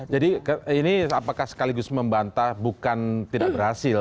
jadi ini apakah sekaligus membantah bukan tidak berhasil